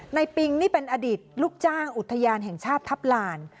ปิงนี่เป็นอดีตลูกจ้างอุทยานแห่งชาติทัพลาน